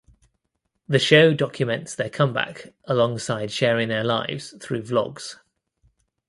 The show documents their comeback alongside sharing their lives through vlogs.